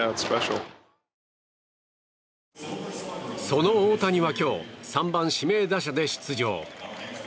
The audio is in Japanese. その大谷は今日３番指名打者で出場。